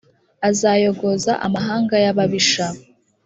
azayogoza amahanga y’ababisha.